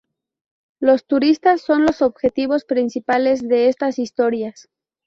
Los turistas son los objetivos principales de estas historias.